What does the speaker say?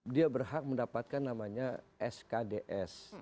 dia berhak mendapatkan namanya skds